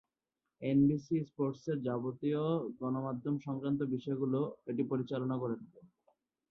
NBC স্পোর্টসের যাবতীয় গণমাধ্যম সংক্রান্ত বিষয়গুলো এটি পরিচালনা করে থাকে।